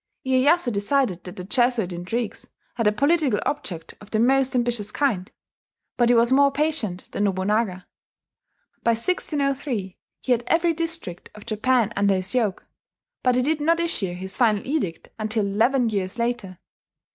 Iyeyasu decided that the Jesuit intrigues had a political object of the most ambitious kind; but he was more patient than Nobunaga. By 1603 he, had every district of Japan under his yoke; but he did not issue his final edict until eleven years later.